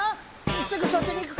すぐそっちに行くからね！